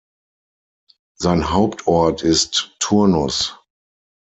Sein Hauptort ist Tournus.